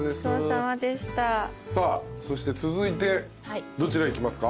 さあそして続いてどちらへ行きますか？